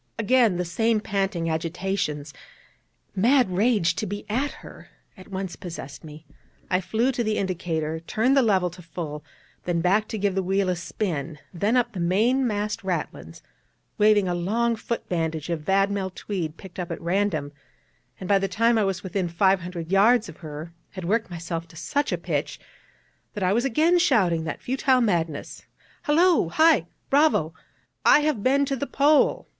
Again the same panting agitations, mad rage to be at her, at once possessed me; I flew to the indicator, turned the lever to full, then back to give the wheel a spin, then up the main mast ratlins, waving a long foot bandage of vadmel tweed picked up at random, and by the time I was within five hundred yards of her, had worked myself to such a pitch, that I was again shouting that futile madness: 'Hullo! Hi! Bravo! _I have been to the Pole!